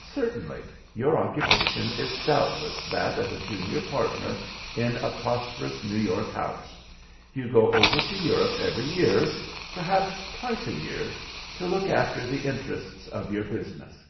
"Certainly. Your occupation is doubtless that of a junior partner in a prosperous New York house. You go over to Europe every year—perhaps twice a year, to look after the interests of your business."